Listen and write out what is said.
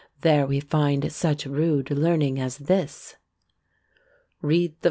There we find such rude learning as this: Read the V.